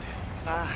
ああ。